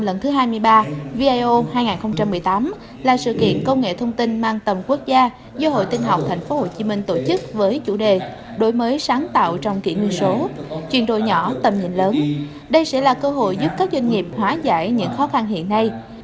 hội thảo toàn cảnh công nghệ thông tin truyền thông việt nam lần thứ hai mươi ba vio hai nghìn một mươi tám là sự kiện công nghệ thông tin mang tầm quốc gia do hội tinh học tp hcm tổ chức với chủ đề đổi mới sáng tạo trong kỹ nguyên số chuyển đổi nhỏ tầm nhìn lớn đây sẽ là cơ hội giúp các doanh nghiệp hóa giải những khó khăn hiện nay